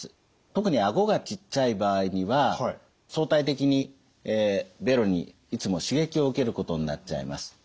特に顎がちっちゃい場合には相対的にべろにいつも刺激を受けることになっちゃいます。